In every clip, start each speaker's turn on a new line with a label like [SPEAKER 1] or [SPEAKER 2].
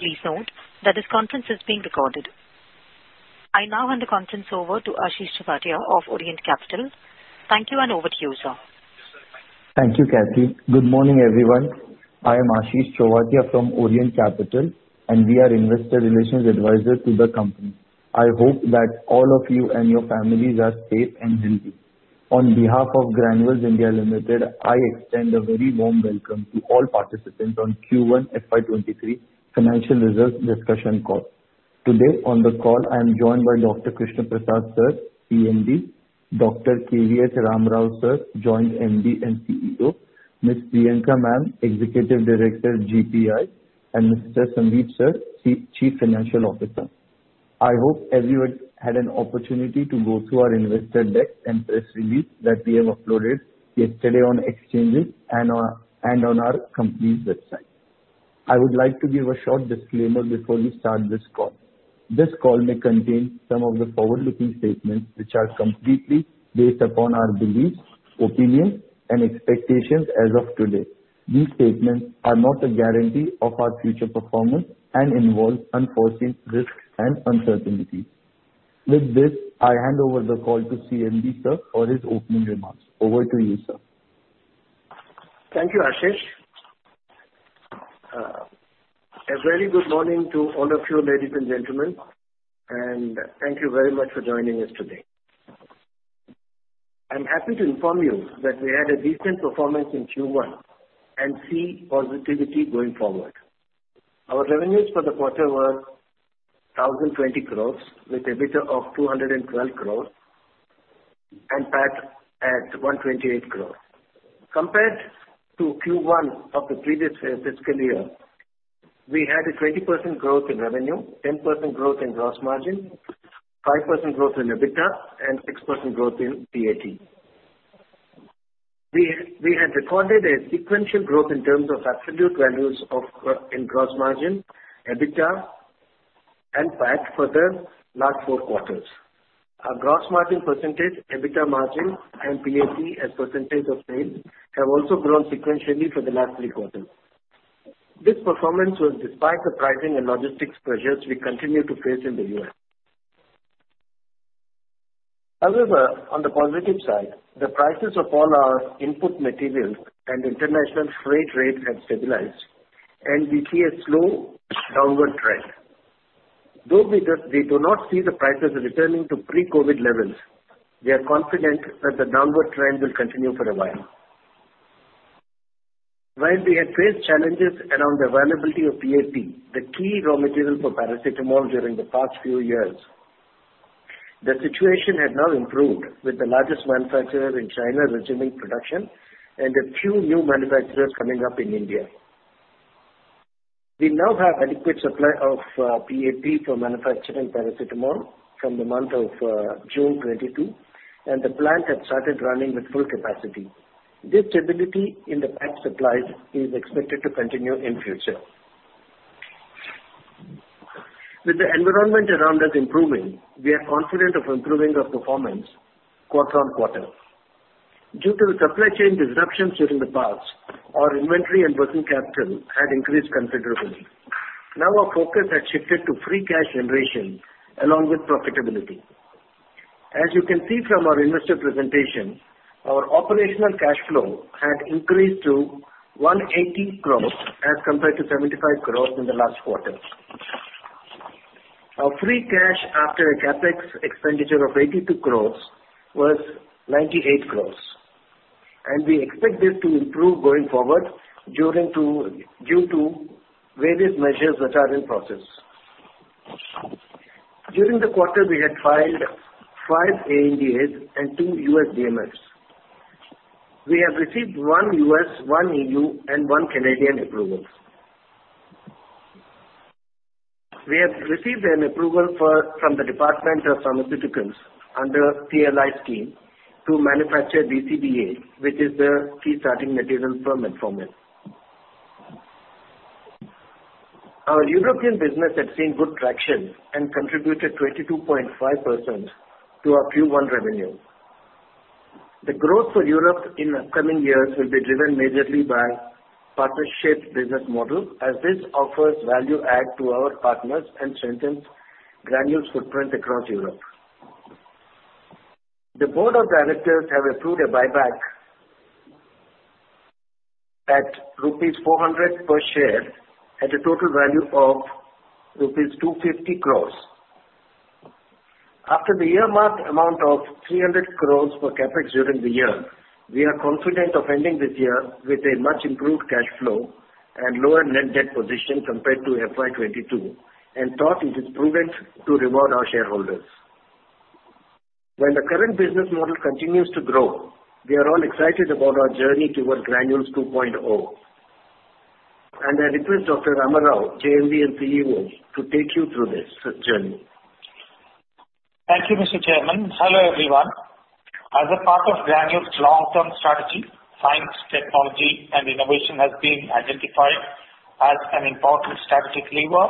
[SPEAKER 1] Please note that this conference is being recorded. I now hand the conference over to Ashish Choubey of Orient Capital. Thank you, and over to you, sir.
[SPEAKER 2] Thank you, Cathy. Good morning, everyone. I am Ashish Choubey from Orient Capital, and we are investor relations advisors to the company. I hope that all of you and your families are safe and healthy. On behalf of Granules India Limited, I extend a very warm welcome to all participants on Q1 FY 23 financial results discussion call. Today on the call, I am joined by Dr. Krishna Prasad, sir, CMD, Dr. K.V.S. Ram Rao, sir, Joint MD and CEO, Miss Priyanka Ma'am, Executive Director, GPI, and Mr. Sandip, sir, Chief Financial Officer. I hope everyone had an opportunity to go through our investor deck and press release that we have uploaded yesterday on exchanges and on our company's website. I would like to give a short disclaimer before we start this call. This call may contain some of the forward-looking statements which are completely based upon our beliefs, opinions and expectations as of today. These statements are not a guarantee of our future performance and involve unforeseen risks and uncertainties. With this, I hand over the call to CMD, sir, for his opening remarks. Over to you, sir.
[SPEAKER 3] Thank you, Ashish. A very good morning to all of you, ladies and gentlemen, and thank you very much for joining us today. I'm happy to inform you that we had a decent performance in Q1 and see positivity going forward. Our revenues for the quarter were 1,020 croress with EBITDA of 212 croress and PAT at 128 croress. Compared to Q1 of the previous fiscal year, we had a 20% growth in revenue, 10% growth in gross margin, 5% growth in EBITDA and 6% growth in PAT. We had recorded a sequential growth in terms of absolute values of, in gross margin, EBITDA and PAT for the last four quarters. Our gross margin percentage, EBITDA margin and PAT as percentage of sales have also grown sequentially for the last three quarters. This performance was despite the pricing and logistics pressures we continue to face in the U.S. However, on the positive side, the prices of all our input materials and international freight rates have stabilized, and we see a slow downward trend. Though we do not see the prices returning to pre-COVID levels, we are confident that the downward trend will continue for a while. While we had faced challenges around the availability of PAP, the key raw material for paracetamol during the past few years, the situation has now improved with the largest manufacturer in China resuming production and a few new manufacturers coming up in India. We now have adequate supply of PAP for manufacturing paracetamol from the month of June 2022, and the plant has started running with full capacity. This stability in the PAP supplies is expected to continue in future. With the environment around us improving, we are confident of improving our performance quarter on quarter. Due to the supply chain disruptions during the past, our inventory and working capital had increased considerably. Now our focus has shifted to free cash generation along with profitability. As you can see from our investor presentation, our operational cash flow had increased to 180 croress as compared to 75 croress in the last quarter. Our free cash after CapEx expenditure of 82 croress was 98 croress, and we expect this to improve going forward due to various measures which are in process. During the quarter, we had filed five ANDAs and two U.S. DMFs. We have received one U.S., one EU and one Canadian approval. We have received an approval for, from the Department of Pharmaceuticals under PLI scheme to manufacture DCDA, which is the key starting material for Metformin. Our European business has seen good traction and contributed 22.5% to our Q1 revenue. The growth for Europe in upcoming years will be driven majorly by partnership business model, as this offers value add to our partners and strengthens Granules' footprint across Europe. The Board of Directors have approved a buyback at rupees 400 per share at a total value of rupees 250 croress. After the year-mark amount of 300 croress for CapEx during the year, we are confident of ending this year with a much improved cash flow and lower net debt position compared to FY 2022 and thought it is prudent to reward our shareholders. When the current business model continues to grow, we are all excited about our journey towards Granules 2.0, and I request Dr. K.V.S. Ram Rao, JMD and CEO, to take you through this journey.
[SPEAKER 4] Thank you, Mr. Chairman. Hello, everyone. As a part of Granules' long-term strategy, science, technology and innovation has been identified as an important strategic lever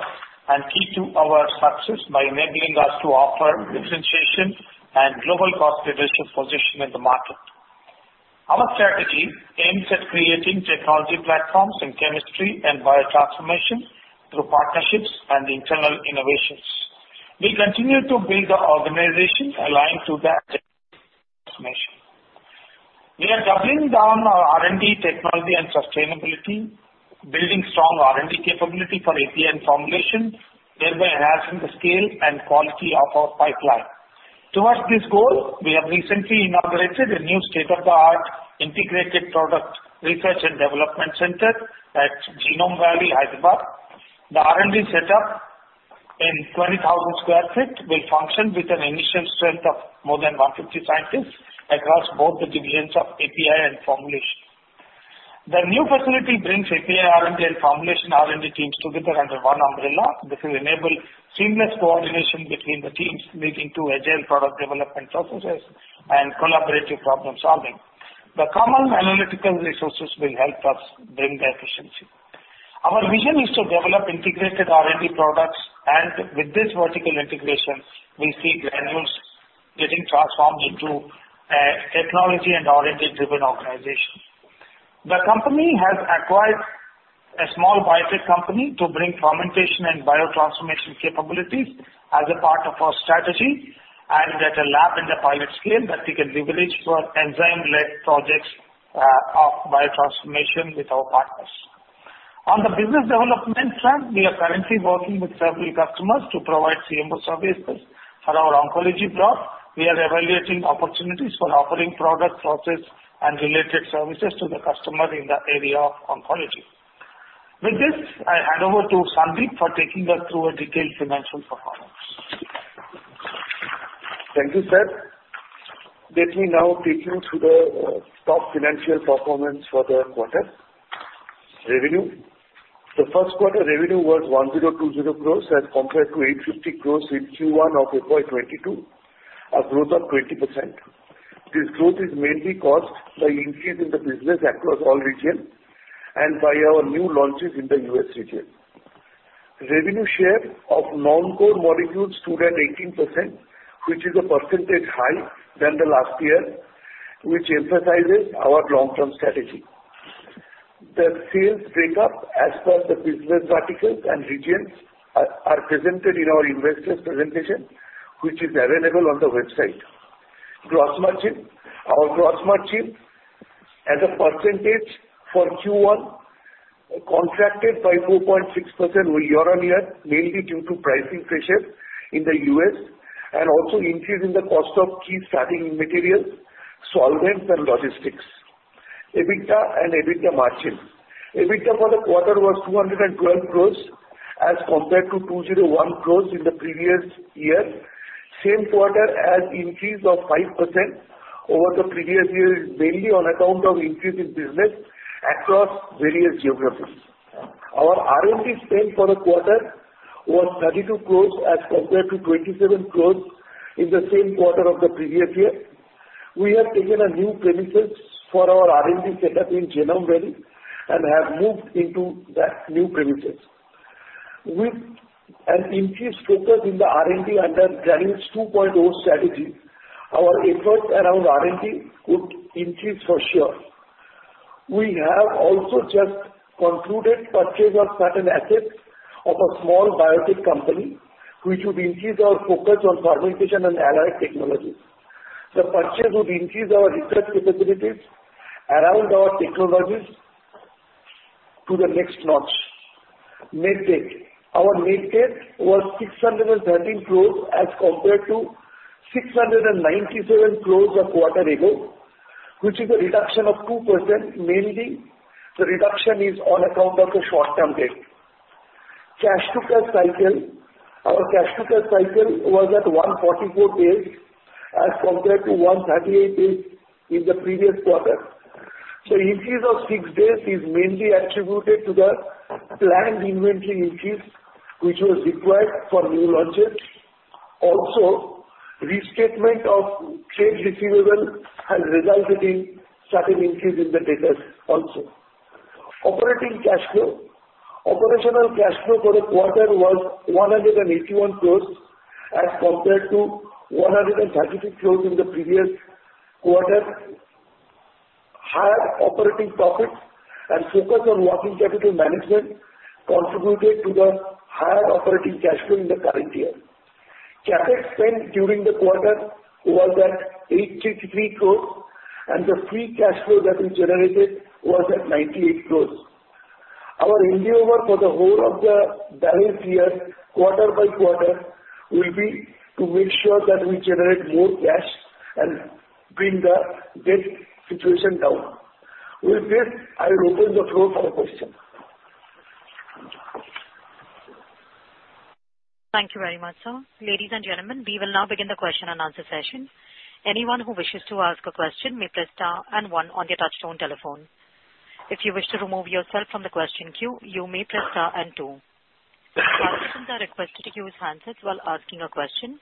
[SPEAKER 4] and key to our success by enabling us to offer differentiation and global cost leadership position in the market. Our strategy aims at creating technology platforms in chemistry and biotransformation through partnerships and internal innovations. We continue to build the organization aligned to that transformation. We are doubling down our R&D technology and sustainability, building strong R&D capability for API and formulation, thereby enhancing the scale and quality of our pipeline. Towards this goal, we have recently inaugurated a new state-of-the-art integrated product research and development center at Genome Valley, Hyderabad. The R&D setup in 20,000 sq ft will function with an initial strength of more than 150 scientists across both the divisions of API and formulation. The new facility brings API R&D and formulation R&D teams together under one umbrella, which will enable seamless coordination between the teams, leading to agile product development processes and collaborative problem-solving. The common analytical resources will help us bring the efficiency. Our vision is to develop integrated R&D products, and with this vertical integration, we see Granules getting transformed into a technology and R&D-driven organization. The company has acquired a small biotech company to bring fermentation and biotransformation capabilities as a part of our strategy and get a lab on the pilot scale that we can leverage for enzyme-led projects of biotransformation with our partners. On the business development front, we are currently working with several customers to provide CMO services. For our oncology block, we are evaluating opportunities for offering product, process and related services to the customer in the area of oncology. With this, I hand over to Sandip for taking us through a detailed financial performance.
[SPEAKER 5] Thank you, Seth. Let me now take you through the top financial performance for the quarter. Revenue. The first quarter revenue was 1,020 crores as compared to 850 crores in Q1 of FY 2022, a growth of 20%. This growth is mainly caused by increase in the business across all regions and by our new launches in the U.S. region. Revenue share of non-core molecules stood at 18%, which is a percentage higher than the last year, which emphasizes our long-term strategy. The sales breakup as per the business verticals and regions are presented in our investors presentation, which is available on the website. Gross margin. Our gross margin as a percentage for Q1 contracted by 4.6% year over year, mainly due to pricing pressure in the U.S. and also increase in the cost of key starting materials, solvents and logistics. EBITDA and EBITDA margin. EBITDA for the quarter was 212 crores as compared to 201 crores in the previous year. Same quarter had increase of 5% over the previous year, mainly on account of increase in business across various geographies. Our R&D spend for the quarter was 32 crores as compared to 27 crores in the same quarter of the previous year. We have taken a new premises for our R&D setup in Genome Valley and have moved into that new premises. With an increased focus in the R&D under Granules 2.0 strategy, our efforts around R&D would increase for sure. We have also just concluded purchase of certain assets of a small biotech company, which would increase our focus on fermentation and allied technologies. The purchase would increase our research capabilities around our technologies to the next notch. Net debt. Our net debt was 613 crores as compared to 697 crores a quarter ago, which is a reduction of 2%. Mainly, the reduction is on account of the short-term debt. Cash to cash cycle. Our cash to cash cycle was at 144 days as compared to 138 days in the previous quarter. The increase of six days is mainly attributed to the planned inventory increase, which was required for new launches. Also, restatement of trade receivables has resulted in certain increase in the debtors also. Operating cash flow. Operating cash flow for the quarter was 181 crores as compared to 136 crores in the previous quarter. Higher operating profits and focus on working capital management contributed to the higher operating cash flow in the current year. CapEx spend during the quarter was at 83 croress, and the free cash flow that we generated was at 98 croress. Our endeavor for the whole of the balance year, quarter by quarter, will be to make sure that we generate more cash and bring the debt situation down. With this, I will open the floor for questions. Thank you.
[SPEAKER 1] Thank you very much, sir. Ladies and gentlemen, we will now begin the question and answer session. Anyone who wishes to ask a question may press star and one on your touchtone telephone. If you wish to remove yourself from the question queue, you may press star and two. Participants are requested to use handsets while asking a question.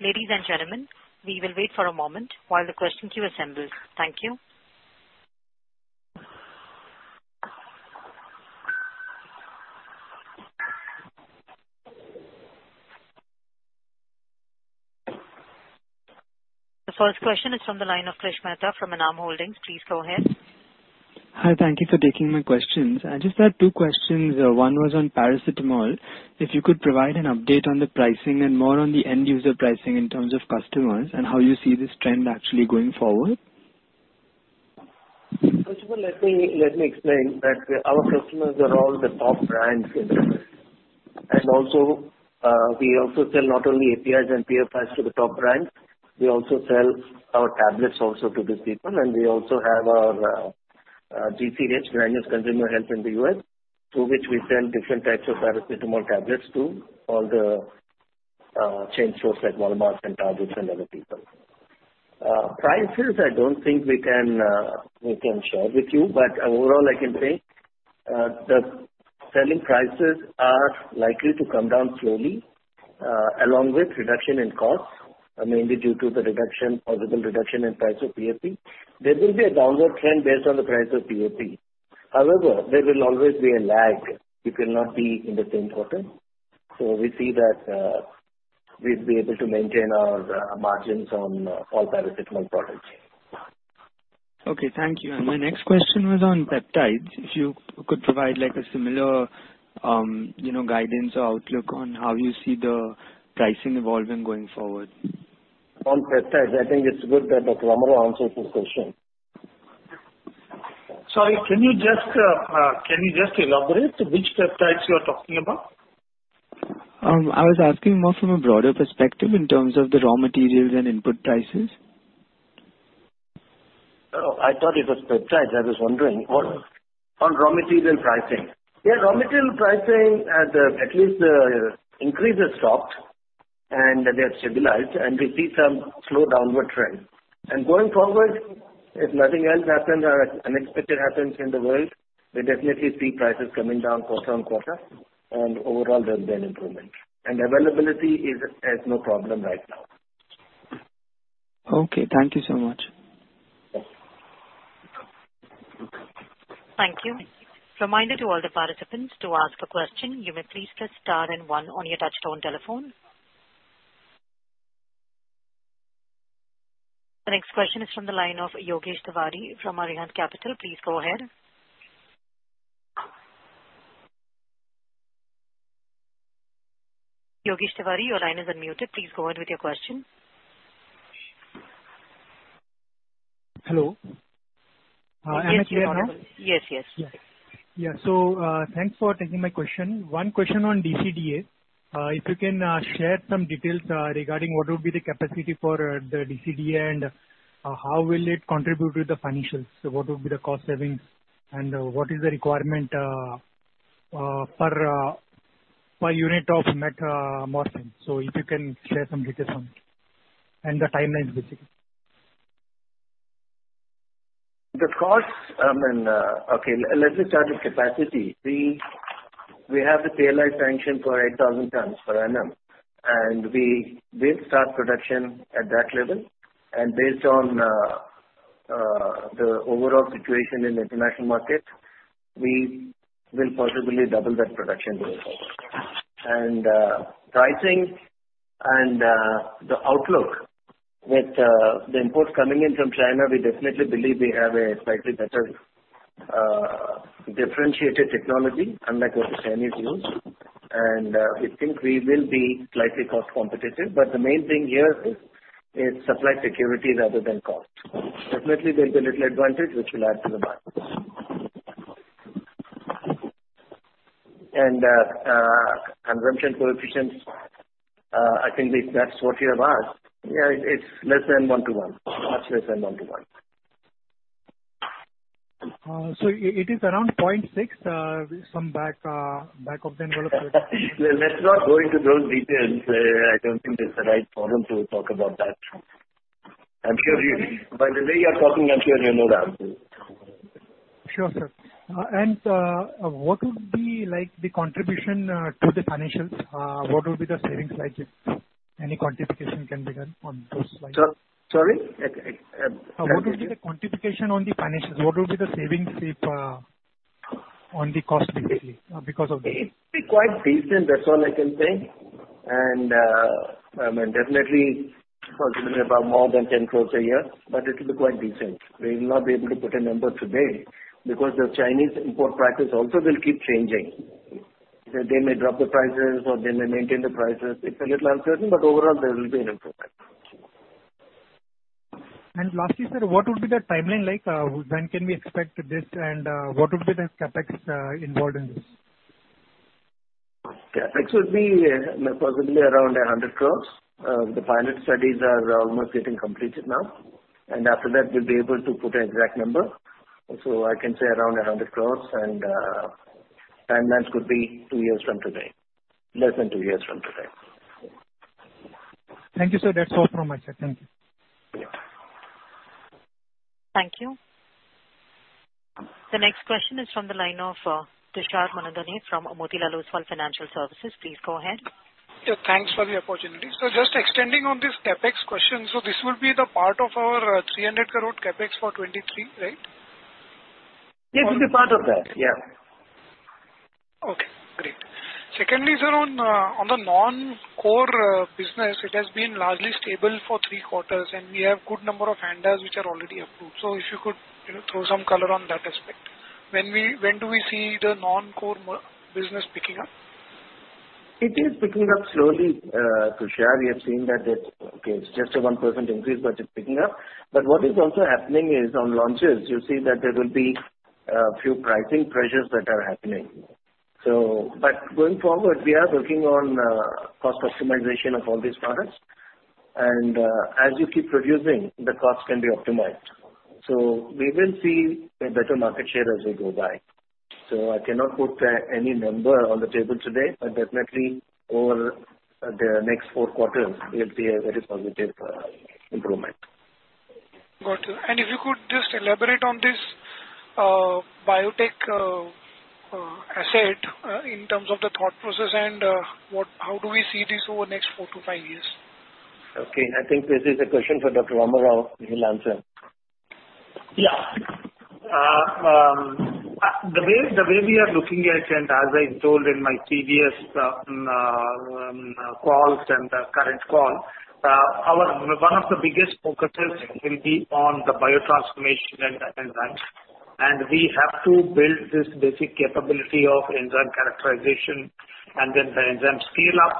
[SPEAKER 1] Ladies and gentlemen, we will wait for a moment while the question queue assembles. Thank you. The first question is from the line of Krishn Mehta from Enam Holdings. Please go ahead.
[SPEAKER 6] Hi. Thank you for taking my questions. I just had two questions. One was on paracetamol. If you could provide an update on the pricing and more on the end user pricing in terms of customers and how you see this trend actually going forward.
[SPEAKER 3] First of all, let me explain that our customers are all the top brands and also we also sell not only APIs and PFIs to the top brands, we also sell our tablets also to these people. We also have our GCH, Granules Consumer Health in the U.S., through which we sell different types of paracetamol tablets to all the chain stores like Walmarts and Targets and other people. Prices, I don't think we can share with you, but overall I can say the selling prices are likely to come down slowly along with reduction in costs, mainly due to the reduction, possible reduction in price of PAP. There will be a downward trend based on the price of PAP. However, there will always be a lag. It will not be in the same quarter. We see that we'll be able to maintain our margins on all paracetamol products.
[SPEAKER 6] Okay, thank you. My next question was on peptides. If you could provide like a similar, you know, guidance or outlook on how you see the pricing evolving going forward.
[SPEAKER 3] On peptides, I think it's good that Ram answers this question.
[SPEAKER 4] Sorry, can you just elaborate which peptides you are talking about?
[SPEAKER 6] I was asking more from a broader perspective in terms of the raw materials and input prices.
[SPEAKER 4] Oh, I thought it was peptides. I was wondering. On raw material pricing. Yeah, raw material pricing, at least the increase has stopped and they have stabilized, and we see some slow downward trend. Going forward, if nothing else happens or unexpected happens in the world, we definitely see prices coming down quarter-on-quarter and overall there's been improvement. Availability is no problem right now.
[SPEAKER 6] Okay. Thank you so much.
[SPEAKER 1] Thank you. Reminder to all the participants, to ask a question, you may please press star and one on your touch-tone telephone. The next question is from the line of Yogesh Tiwari from Arihant Capital. Please go ahead. Yogesh Tiwari, your line is unmuted. Please go ahead with your question.
[SPEAKER 7] Hello.
[SPEAKER 1] Yes, yes.
[SPEAKER 7] Yeah. Yeah. Thanks for taking my question. One question on DCDA. If you can share some details regarding what will be the capacity for the DCDA and how will it contribute to the financials? What will be the cost savings and what is the requirement per unit of Metformin? If you can share some details on it and the timelines basically.
[SPEAKER 3] Okay. Let me start with capacity. We have the PLI sanction for 8,000 tons per annum, and we will start production at that level. Based on the overall situation in the international market, we will possibly double that production going forward. Pricing and the outlook with the imports coming in from China, we definitely believe we have a slightly better differentiated technology unlike what the Chinese use. We think we will be slightly cost competitive. But the main thing here is supply security rather than cost. Definitely, there's a little advantage which will add to the margins. Conversion coefficients, I think if that's what you have asked, yeah, it's less than one-to-one, much less than one-to-one.
[SPEAKER 7] It is around 0.6, some back-of-the-envelope
[SPEAKER 3] Well, let's not go into those details. I don't think this is the right forum to talk about that. By the way you're talking, I'm sure you know the answer.
[SPEAKER 7] Sure, sir. What would be like the contribution to the financials? What would be the savings like if any quantification can be done on those slides?
[SPEAKER 3] Sorry?
[SPEAKER 7] What would be the quantification on the financials? What would be the savings if on the cost basically because of this?
[SPEAKER 3] It's pretty quite decent. That's all I can say. I mean, definitely possibly about more than 10 crores a year, but it will be quite decent. We will not be able to put a number today because the Chinese import practice also will keep changing. They may drop the prices or they may maintain the prices. It's a little uncertain, but overall there will be an improvement.
[SPEAKER 7] Lastly, sir, what would be the timeline like? When can we expect this and what would be the CapEx involved in this?
[SPEAKER 3] CapEx would be possibly around 100 crores. The pilot studies are almost getting completed now. After that we'll be able to put an exact number. I can say around 100 crores and timelines could be two years from today. Less than two years from today.
[SPEAKER 7] Thank you, sir. That's all from my side. Thank you.
[SPEAKER 3] Yeah.
[SPEAKER 1] Thank you. The next question is from the line of Tushar Manudhane from Motilal Oswal Financial Services. Please go ahead.
[SPEAKER 8] Yeah. Thanks for the opportunity. Just extending on this CapEx question, this will be the part of our 300 crores CapEx for 2023, right?
[SPEAKER 3] It will be part of that. Yeah.
[SPEAKER 8] Okay, great. Secondly, sir, on the non-core business, it has been largely stable for three quarters, and we have good number of ANDAs which are already approved. If you could, you know, throw some color on that aspect. When do we see the non-core business picking up?
[SPEAKER 3] It is picking up slowly. To share, we have seen that it is just a 1% increase, but it's picking up. What is also happening is on launches, you see that there will be few pricing pressures that are happening. Going forward, we are working on cost optimization of all these products. As you keep producing, the cost can be optimized. We will see a better market share as we go by. I cannot put any number on the table today, but definitely over the next four quarters, we'll see a very positive improvement.
[SPEAKER 8] Got you. If you could just elaborate on this biotech asset in terms of the thought process and how do we see this over the next four to five years?
[SPEAKER 3] Okay. I think this is a question for Dr. K.V.S. Ram Rao. He'll answer.
[SPEAKER 4] Yeah. The way we are looking at, and as I told in my previous calls and the current call, our one of the biggest focuses will be on the biotransformation and the enzymes. We have to build this basic capability of enzyme characterization and then the enzyme scale-up.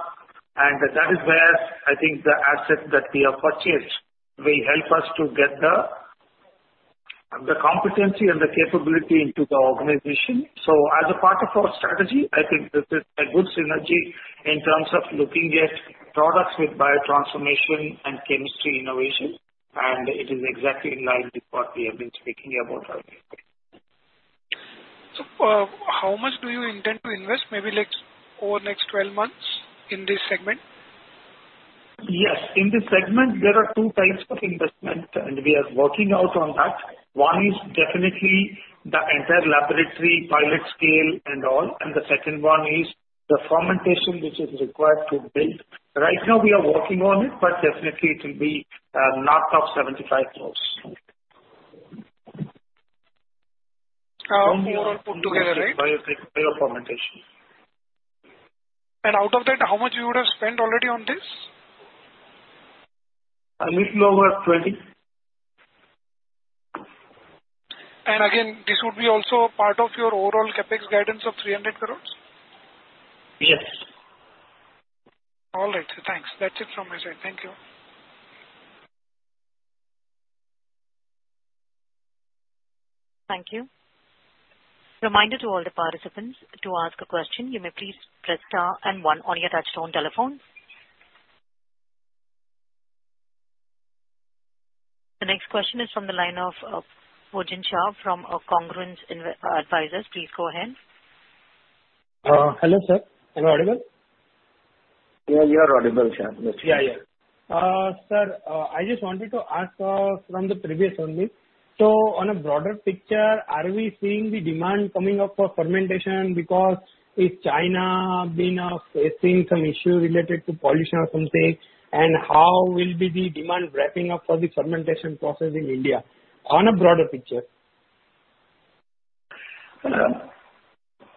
[SPEAKER 4] That is where I think the asset that we have purchased will help us to get the competency and the capability into the organization. As a part of our strategy, I think this is a good synergy in terms of looking at products with biotransformation and chemistry innovation, and it is exactly in line with what we have been speaking about earlier.
[SPEAKER 8] How much do you intend to invest, maybe like over the next 12 months in this segment?
[SPEAKER 4] Yes. In this segment, there are two types of investment, and we are working out on that. One is definitely the entire laboratory, pilot scale and all, and the second one is the fermentation, which is required to build. Right now we are working on it, but definitely it will be north of 75 crores.
[SPEAKER 8] All put together, right?
[SPEAKER 4] For biotech biofermentation.
[SPEAKER 8] Out of that, how much you would have spent already on this?
[SPEAKER 4] A little over 20.
[SPEAKER 8] Again, this would be also part of your overall CapEx guidance of 300 croress?
[SPEAKER 4] Yes.
[SPEAKER 8] All right. Thanks. That's it from my side. Thank you.
[SPEAKER 1] Thank you. Reminder to all the participants, to ask a question, you may please press star and one on your touch-tone telephone. The next question is from the line of Pujit Shah from Congruence Advisors. Please go ahead.
[SPEAKER 9] Hello, sir. `Am I audible?
[SPEAKER 3] Yeah, you are audible, Shah. Yes.
[SPEAKER 9] Sir, I just wanted to ask, from the previous only. On a broader picture, are we seeing the demand coming up for fermentation because has China been facing some issue related to pollution or something? How will the demand be ramping up for the fermentation process in India on a broader picture?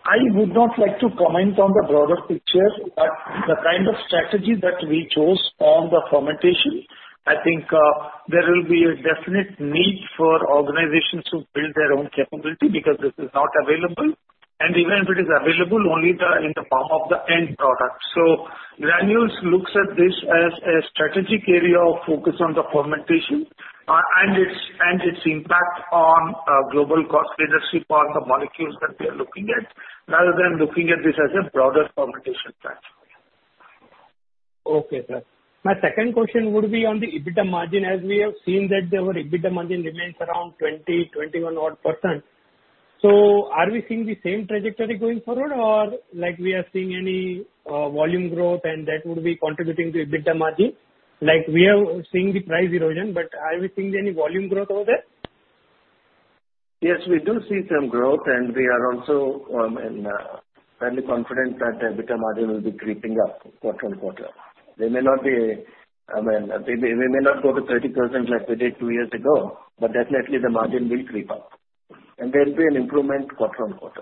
[SPEAKER 4] I would not like to comment on the broader picture. The kind of strategy that we chose on the fermentation, I think, there will be a definite need for organizations to build their own capability because this is not available. Even if it is available, only in the form of the end product. Granules looks at this as a strategic area of focus on the fermentation, and its impact on global cost leadership on the molecules that we are looking at, rather than looking at this as a broader fermentation platform.
[SPEAKER 9] Okay, sir. My second question would be on the EBITDA margin, as we have seen that their EBITDA margin remains around 20-21% odd. Are we seeing the same trajectory going forward or like we are seeing any volume growth and that would be contributing to EBITDA margin? Like we are seeing the price erosion, but are we seeing any volume growth over there?
[SPEAKER 3] Yes, we do see some growth, and we are also fairly confident that the EBITDA margin will be creeping up quarter-over-quarter. I mean, they may not go to 30% like we did two years ago, but definitely the margin will creep up and there will be an improvement quarter-over-quarter.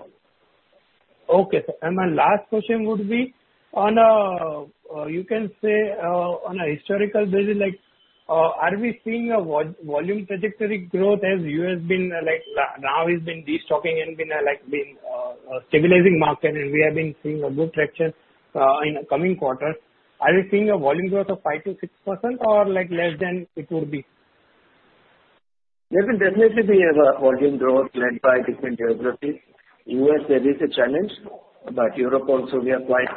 [SPEAKER 9] Okay, sir. My last question would be, you can say, on a historical basis, like, are we seeing a volume trajectory growth as the U.S. has been destocking and has been stabilizing the market and we have been seeing good traction in the coming quarters. Are we seeing a volume growth of 5%-6% or like less than it would be?
[SPEAKER 3] There will definitely be a volume growth led by different geographies. U.S., there is a challenge, but Europe also we are quite,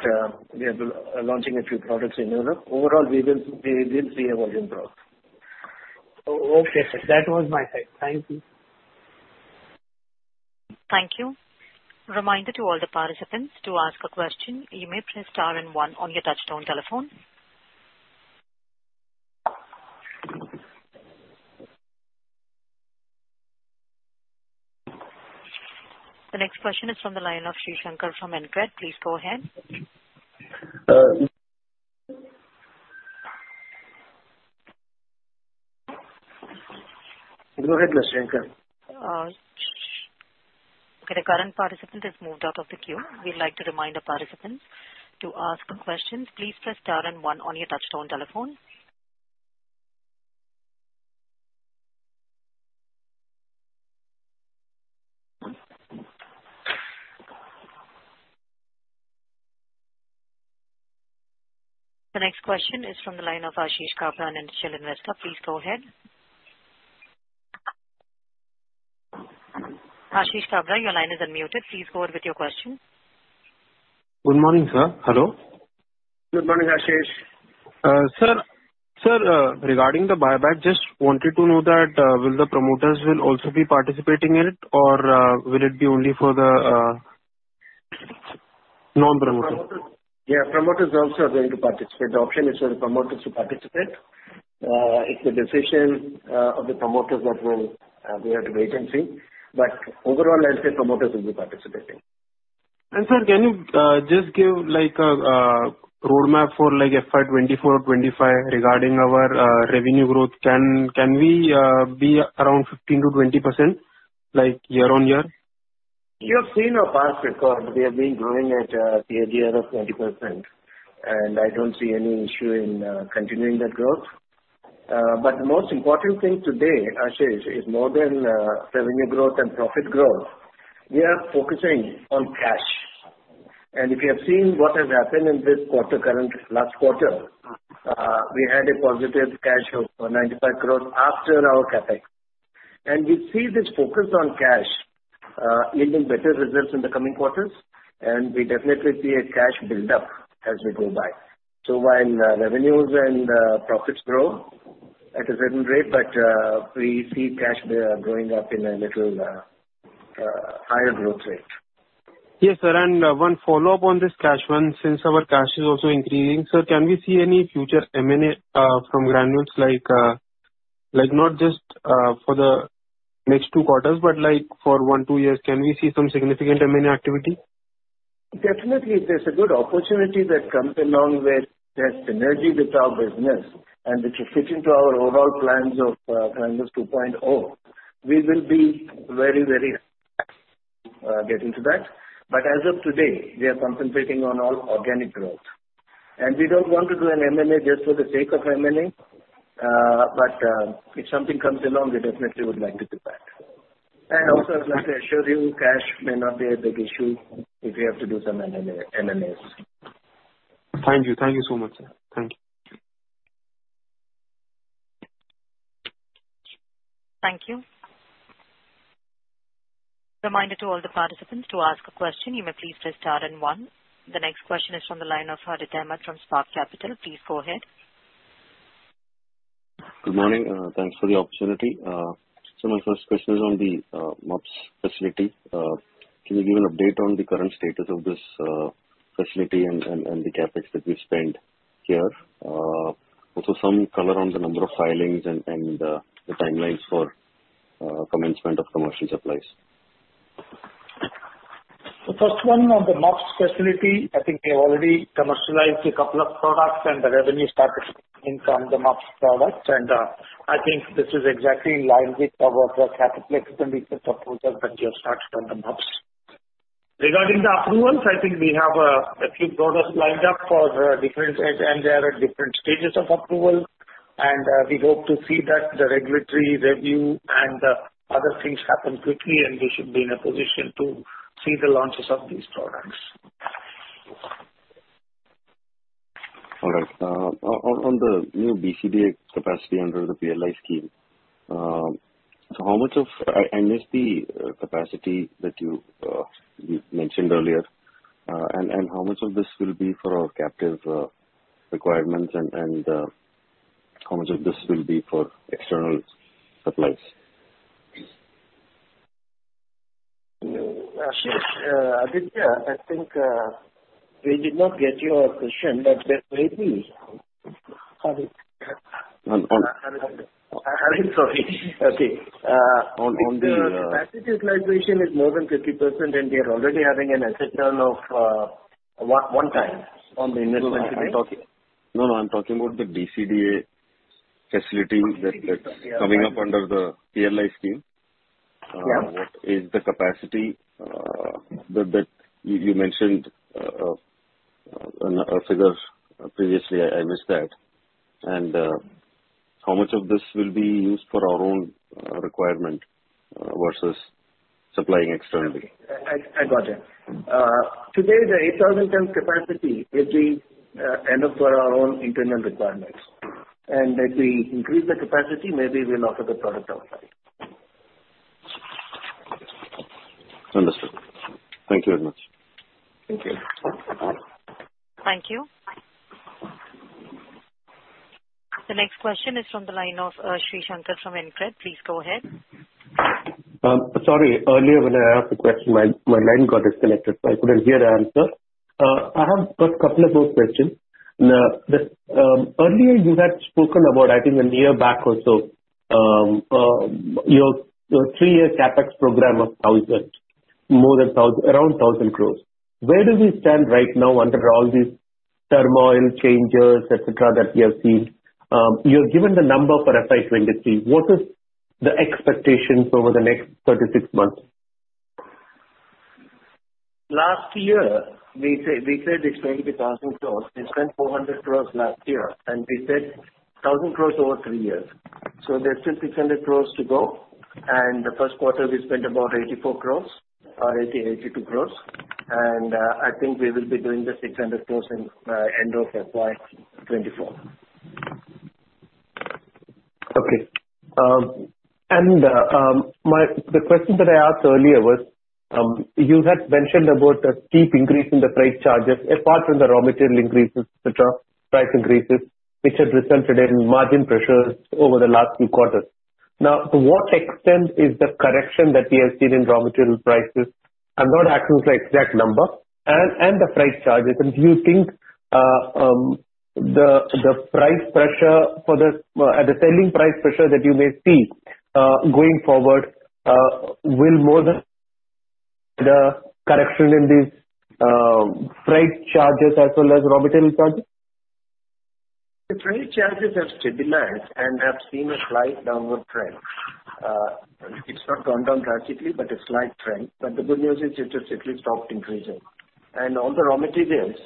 [SPEAKER 3] we are building, launching a few products in Europe. Overall, we will see a volume growth.
[SPEAKER 9] Okay, sir. That was my side. Thank you.
[SPEAKER 1] Thank you. Reminder to all the participants, to ask a question, you may press star and one on your touchtone telephone. The next question is from the line of Srinivas P.V. from Encred. Please go ahead.
[SPEAKER 3] Go ahead, Srinivas P.V.
[SPEAKER 1] The current participant is moved out of the queue. We'd like to remind the participants to ask questions, please press star and one on your touchtone telephone. The next question is from the line of Ashish Kapur, an individual investor. Please go ahead. Ashish Kapur, your line is unmuted. Please go ahead with your question.
[SPEAKER 10] Good morning, sir. Hello.
[SPEAKER 3] Good morning, Ashish.
[SPEAKER 10] Sir, regarding the buyback, just wanted to know that, will the promoters also be participating in it or, will it be only for the non-promoters?
[SPEAKER 3] Yeah. Promoters also are going to participate. The option is for the promoters to participate. It's the decision of the promoters that will, we have to wait and see. Overall, I'd say promoters will be participating.
[SPEAKER 10] Sir, can you just give like a roadmap for like FY 2024, 2025 regarding our revenue growth? Can we be around 15%-20%, like year-on-year?
[SPEAKER 3] You have seen our past record. We have been growing at a CAGR of 20%, and I don't see any issue in continuing that growth. The most important thing today, Ashish, is more than revenue growth and profit growth, we are focusing on cash. If you have seen what has happened in this quarter, current last quarter, we had a positive cash of 95 crores after our CapEx. We see this focus on cash leading better results in the coming quarters, and we definitely see a cash build-up as we go by. While revenues and profits grow at a certain rate, we see cash growing up in a little higher growth rate. Yes, sir. One follow-up on this cash one, since our cash is also increasing, sir, can we see any future M&A from Granules like not just for the next two quarters, but like for one, two years, can we see some significant M&A activity? Definitely, if there's a good opportunity that comes along with that synergy with our business and which will fit into our overall plans of Granules 2.0, we will be very, very, get into that. As of today, we are concentrating on all organic growth. We don't want to do an M&A just for the sake of M&A, but if something comes along, we definitely would like to do that. Also, I'd like to assure you, cash may not be a big issue if we have to do some M&A, M&As. Thank you. Thank you so much, sir. Thank you.
[SPEAKER 1] Thank you. Reminder to all the participants to ask a question, you may please press star and one. The next question is from the line of Aditya Mehta from Spark Capital. Please go ahead.
[SPEAKER 11] Good morning. Thanks for the opportunity. My first question is on the MUPS facility. Can you give an update on the current status of this facility and the CapEx that we spent here? Also some color on the number of filings and the timelines for commencement of commercial supplies.
[SPEAKER 3] The first one on the MUPS facility, I think we have already commercialized a couple of products and the revenue started to come in from the MUPS products. I think this is exactly in line with our CapEx and with the proposals that we have started on the MUPS. Regarding the approvals, I think we have a few products lined up for different ANDAs, and they are at different stages of approval. We hope to see that the regulatory review and other things happen quickly, and we should be in a position to see the launches of these products.
[SPEAKER 11] All right. On the new DCDA capacity under the PLI scheme, how much of I-NSP capacity that you mentioned earlier, and how much of this will be for our captive requirements and how much of this will be for external supplies?
[SPEAKER 3] Ashish, Aditya, I think we did not get your question, but maybe. Sorry.
[SPEAKER 11] On, on.
[SPEAKER 3] I'm sorry. Okay.
[SPEAKER 11] On, on the, uh.
[SPEAKER 3] If the capacity utilization is more than 50% and we are already having an asset turn of 0.1 time on the investment, right?
[SPEAKER 11] No, no, I'm talking about the DCDA facility.
[SPEAKER 3] DCDA, yeah.
[SPEAKER 11] That's coming up under the PLI scheme.
[SPEAKER 3] Yeah.
[SPEAKER 11] What is the capacity that you mentioned, a figure previously? I missed that. How much of this will be used for our own requirement versus supplying externally?
[SPEAKER 3] I got you. Today the 8,000-ton capacity is the end-use for our own internal requirements. If we increase the capacity, maybe we'll offer the product outside.
[SPEAKER 11] Understood. Thank you very much.
[SPEAKER 3] Thank you.
[SPEAKER 1] Thank you. The next question is from the line of Srinivas P.V. from Encred Analytics. Please go ahead.
[SPEAKER 12] Sorry, earlier when I asked the question, my line got disconnected, so I couldn't hear the answer. I have got couple of more questions. Now, earlier you had spoken about, I think a year back or so, your three-year CapEx program of around 1,000 croress. Where do we stand right now under all these turmoil, changes, et cetera, that we have seen. You've given the number for FY 2023. What is the expectations over the next 36 months?
[SPEAKER 3] Last year, we said it's 22,000 crores. We spent 400 crores last year, and we said 1,000 crores over three years. There's still 600 crores to go. In the first quarter we spent about 84 crores or 82 crores. I think we will be doing the 600 crores in end of FY 2024.
[SPEAKER 12] Okay. The question that I asked earlier was, you had mentioned about the steep increase in the freight charges, apart from the raw material increases, et cetera, price increases, which had resulted in margin pressures over the last few quarters. Now, to what extent is the correction that we have seen in raw material prices? I'm not asking for exact number, and the freight charges. Do you think the price pressure for the selling price pressure that you may see going forward will more than the correction in the freight charges as well as raw material charges?
[SPEAKER 3] The freight charges have stabilized and have seen a slight downward trend. It's not gone down drastically, but a slight trend. The good news is it has at least stopped increasing. On the raw materials,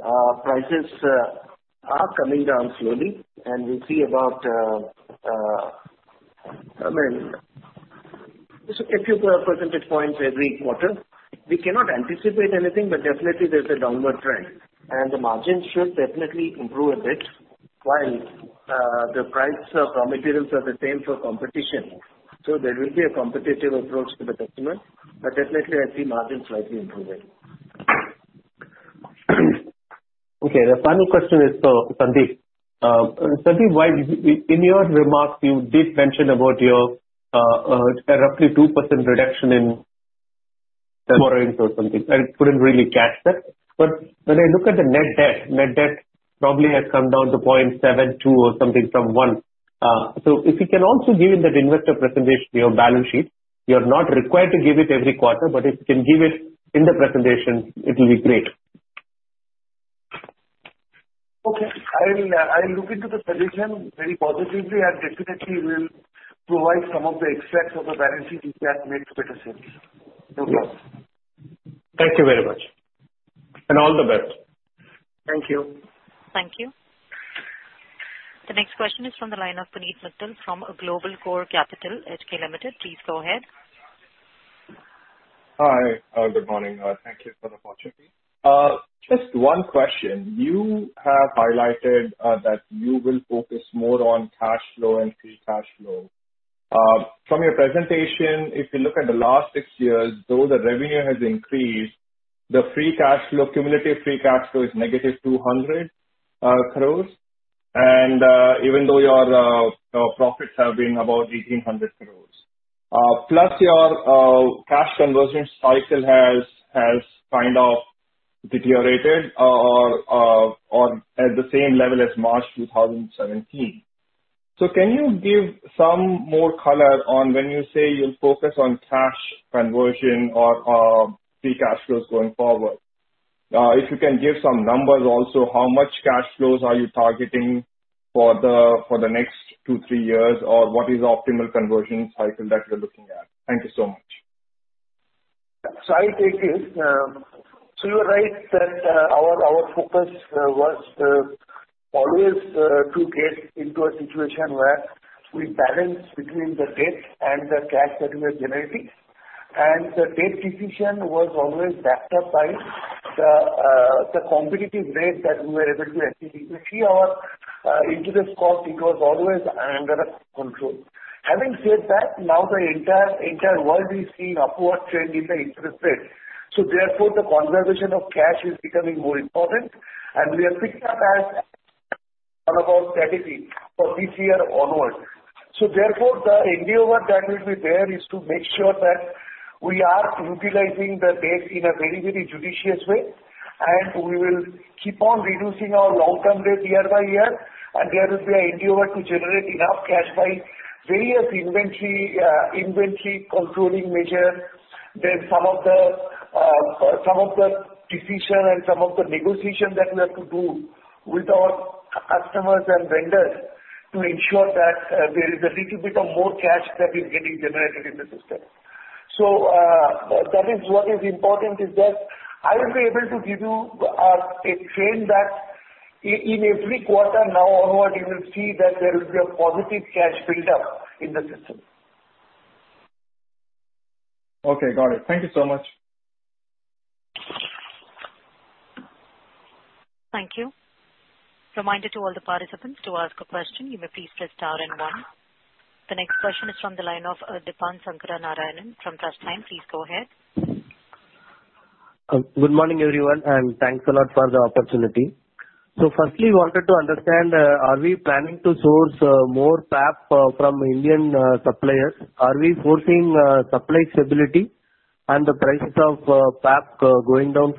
[SPEAKER 3] prices are coming down slowly and we see about, I mean, just a few percentage points every quarter. We cannot anticipate anything, but definitely there's a downward trend. The margins should definitely improve a bit while the prices of raw materials are the same for competition. There will be a competitive approach to the customer, but definitely I see margins slightly improving.
[SPEAKER 12] Okay, the final question is for Sandip. Sandip, why in your remarks you did mention about your roughly 2% reduction in borrowings or something. I couldn't really catch that. When I look at the net debt, net debt probably has come down to 0.72 or something from 1. So if you can also give in that investor presentation your balance sheet. You're not required to give it every quarter, but if you can give it in the presentation, it'll be great.
[SPEAKER 5] Okay. I'll look into the suggestion very positively. I definitely will provide some of the extracts of the balance sheet if that makes better sense. No problem.
[SPEAKER 12] Thank you very much. All the best.
[SPEAKER 3] Thank you.
[SPEAKER 1] Thank you. The next question is from the line of Punit Mittal from Global Core Capital Limited. Please go ahead.
[SPEAKER 13] Hi. Good morning. Thank you for the opportunity. Just one question. You have highlighted that you will focus more on cash flow and free cash flow. From your presentation, if you look at the last six years, though the revenue has increased, the free cash flow, cumulative free cash flow is negative 200 croress. Even though your profits have been about 1,800 croress. Plus your cash conversion cycle has kind of deteriorated or at the same level as March 2017. Can you give some more color on when you say you'll focus on cash conversion or free cash flows going forward? If you can give some numbers also, how much cash flows are you targeting for the next two, three years, or what is the optimal conversion cycle that you're looking at? Thank you so much.
[SPEAKER 5] I take it. You're right that our focus was always to get into a situation where we balance between the debt and the cash that we are generating. The debt decision was always backed up by the competitive rate that we were able to achieve. If you see our interest cost, it was always under the control. Having said that, now the entire world is seeing upward trend in the interest rates, so therefore the conversion of cash is becoming more important and we are thinking of that as one of our strategy for this year onward. Therefore the endeavor that will be there is to make sure that we are utilizing the debt in a very, very judicious way. We will keep on reducing our long-term debt year by year.
[SPEAKER 3] There will be an endeavor to generate enough cash by various inventory controlling measure. There's some of the decision and some of the negotiation that we have to do with our customers and vendors to ensure that there is a little bit of more cash that is getting generated in the system. That is what is important, is that I will be able to give you a frame that in every quarter now onward you will see that there will be a positive cash build up in the system.
[SPEAKER 13] Okay, got it. Thank you so much.
[SPEAKER 1] Thank you. Reminder to all the participants, to ask a question you may please press star and one. The next question is from the line of Deepan Shankar Narayanan from TrustLine. Please go ahead.
[SPEAKER 14] Good morning, everyone, and thanks a lot for the opportunity. Firstly, wanted to understand, are we planning to source more PAP from Indian suppliers? Do we foresee supply stability and the prices of PAP going down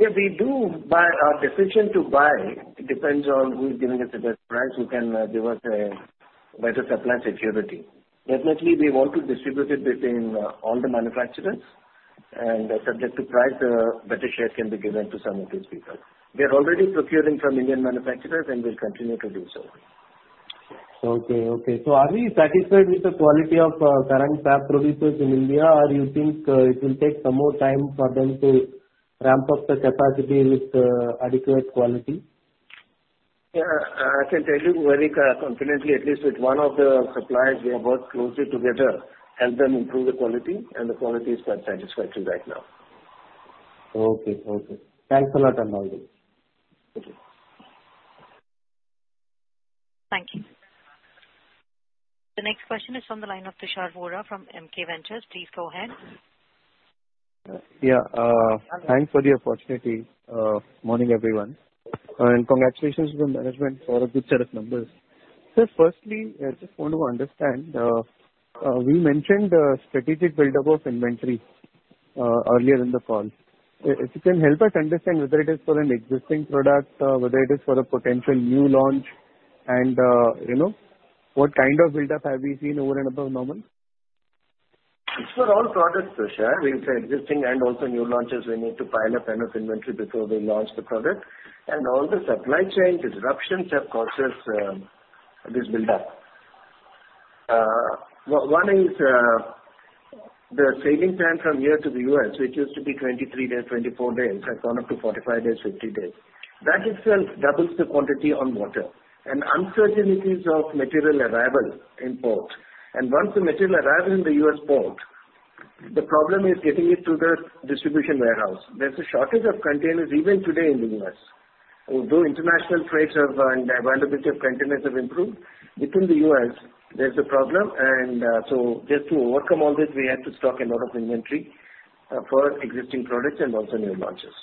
[SPEAKER 14] further?
[SPEAKER 3] Yeah, we do, but our decision to buy depends on who is giving us the best price, who can give us a better supply security. Definitely we want to distribute it between all the manufacturers and subject to price, better share can be given to some of these people. We are already procuring from Indian manufacturers and we'll continue to do so.
[SPEAKER 14] Are we satisfied with the quality of current PAP producers in India? Or you think it will take some more time for them to ramp up the capacity with adequate quality?
[SPEAKER 3] Yeah, I can tell you very confidently, at least with one of the suppliers, we have worked closely together, helped them improve the quality, and the quality is quite satisfactory right now.
[SPEAKER 14] Okay. Thanks a lot, Krishna Prasad Chigurupati.
[SPEAKER 3] Thank you.
[SPEAKER 1] Thank you. The next question is from the line of Tushar Bohra from EMKE Group. Please go ahead.
[SPEAKER 15] Yeah. Thanks for the opportunity. Morning, everyone, and congratulations to the management for a good set of numbers. Firstly, I just want to understand, we mentioned the strategic build-up of inventory earlier in the call. If you can help us understand whether it is for an existing product, whether it is for a potential new launch and, you know, what kind of build-up have we seen over and above normal?
[SPEAKER 3] It's for all products, Tushar. We have existing and also new launches. We need to pile up enough inventory before we launch the product. All the supply chain disruptions have caused us this build-up. One is the sailing time from here to the U.S., which used to be 23 days, 24 days, has gone up to 45 days, 50 days. That itself doubles the quantity on water. Uncertainties of material arrival in port, and once the material arrive in the U.S. port, the problem is getting it to the distribution warehouse. There's a shortage of containers even today in the U.S. Although international trades have and the availability of containers have improved, within the U.S. there's a problem, so just to overcome all this, we had to stock a lot of inventory for existing products and also new launches.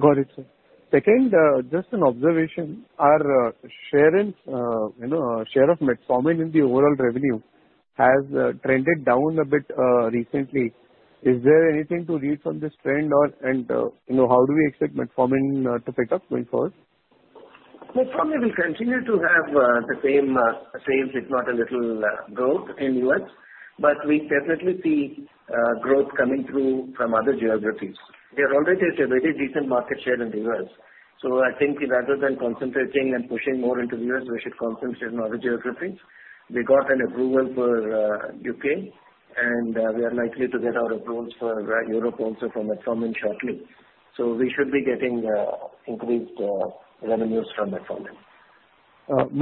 [SPEAKER 15] Got it, sir. Second, just an observation. Our, you know, share of Metformin in the overall revenue has trended down a bit, recently. Is there anything to read from this trend or you know how do we expect Metformin to pick up going forward?
[SPEAKER 3] Metformin will continue to have the same sales if not a little growth in U.S. We definitely see growth coming through from other geographies. We already have a very decent market share in the U.S., so I think rather than concentrating and pushing more into the U.S., we should concentrate on other geographies. We got an approval for U.K. and we are likely to get our approvals for Europe also for metformin shortly. We should be getting increased revenues from metformin.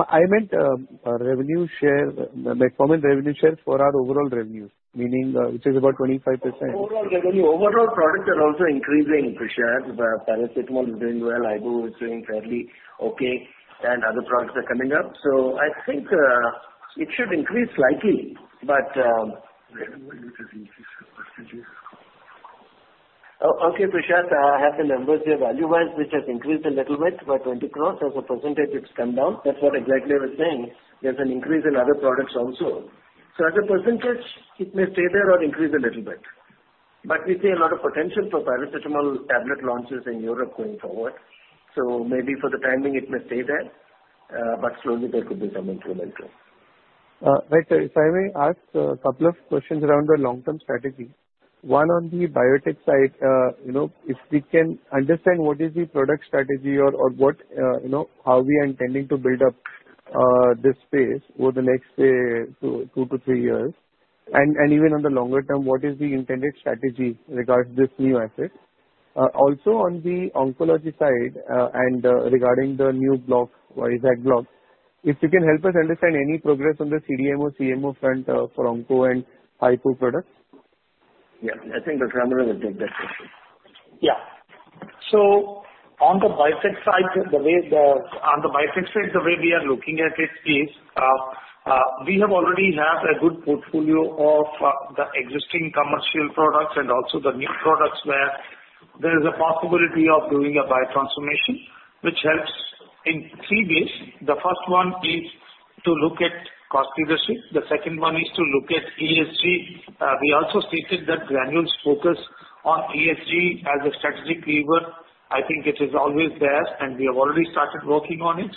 [SPEAKER 15] I meant, Metformin revenue share for our overall revenue, meaning, which is about 25%.
[SPEAKER 3] Overall revenue, overall products are also increasing, Tushar. The paracetamol is doing well. Ibuprofen is doing fairly okay, and other products are coming up. I think it should increase slightly, but.
[SPEAKER 4] Revenue will increase the percentages.
[SPEAKER 3] Oh, okay, Tushar. I have the numbers here value-wise, which has increased a little bit by 20 crores. As a percentage it's come down. That's what exactly I was saying. There's an increase in other products also. So as a percentage it may stay there or increase a little bit. But we see a lot of potential for paracetamol tablet launches in Europe going forward. So maybe for the time being it may stay there, but slowly there could be some incremental.
[SPEAKER 15] Right. Sir, if I may ask a couple of questions around the long-term strategy. One on the biotech side, you know, if we can understand what is the product strategy or what, you know, how we are intending to build up this space over the next, say, two to three years. Even on the longer term, what is the intended strategy regarding this new asset? Also on the oncology side, and regarding the new block, or is that block, if you can help us understand any progress on the CDMO/CMO front for onco and API products?
[SPEAKER 3] Yeah. I think Dr. Ram will take that question.
[SPEAKER 4] On the biotech side, the way we are looking at it is, we already have a good portfolio of the existing commercial products and also the new products where there is a possibility of doing a biotransformation which helps in three ways. The first one is to look at cost efficiency. The second one is to look at ESG. We also stated that Granules' focus on ESG as a strategic lever. I think it is always there and we have already started working on it.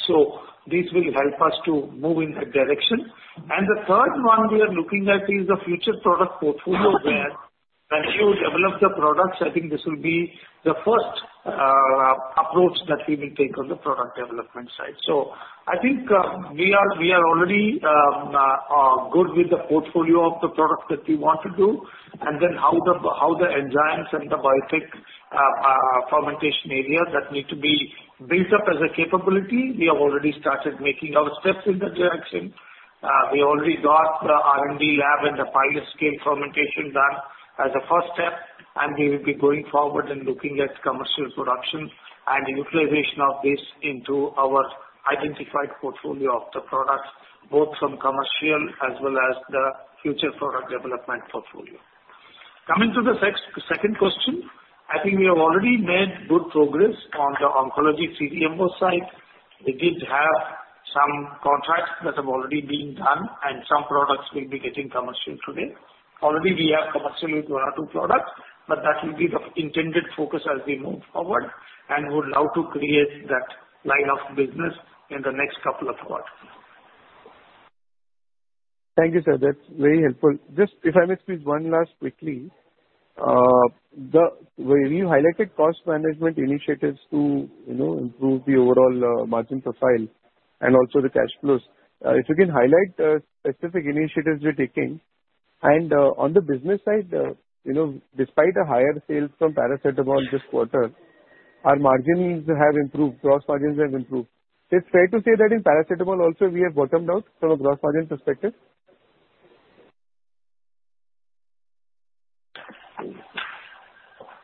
[SPEAKER 4] This will help us to move in that direction. The third one we are looking at is the future product portfolio where when you develop the products, I think this will be the first approach that we will take on the product development side. I think we are already good with the portfolio of the products that we want to do and then how the enzymes and the biotech fermentation area that need to be built up as a capability, we have already started making our steps in that direction. We already got the R&D lab and the pilot scale fermentation done as a first step, and we will be going forward and looking at commercial production and utilization of this into our identified portfolio of the products, both from commercial as well as the future product development portfolio. Coming to the next, second question, I think we have already made good progress on the oncology CDMO side. We did have some contracts that have already been done and some products will be getting commercial today. Already, we have commercial with one or two products, but that will be the intended focus as we move forward and would love to create that line of business in the next couple of quarters.
[SPEAKER 15] Thank you, sir. That's very helpful. Just if I may squeeze one last quickly. Where you highlighted cost management initiatives to, you know, improve the overall margin profile and also the cash flows. If you can highlight specific initiatives you're taking. On the business side, you know, despite a higher sales from paracetamol this quarter, our margins have improved, gross margins have improved. Is it fair to say that in paracetamol also we have bottomed out from a gross margin perspective?